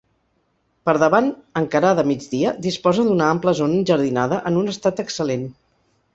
Per davant, encarada a migdia, disposa d’una ampla zona enjardinada, en un estat excel·lent.